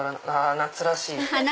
夏らしい！